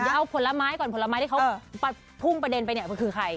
เอาผลไม้ก่อนผลไม้ที่เขาพุ่งประเด็นไปเนี่ยมันคือใคร